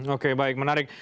oke baik menarik